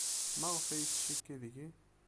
Maɣef ay yettcikki deg-i?